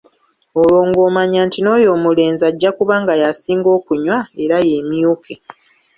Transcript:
Olwo ng'omanya nti n'oyo omulenzi ajja kuba nga yasinga okunywa era yeemyuke.